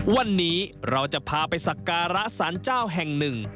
วันนี้เราจะพาไปสักการะสารเจ้าแห่งหนึ่ง